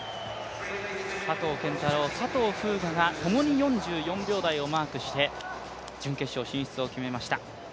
佐藤拳太郎、佐藤風雅がともに４４秒台をマークして、準決勝進出を決めました。